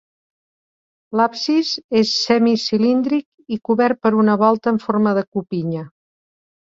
L'absis és semicilíndric i cobert per una volta amb forma de copinya.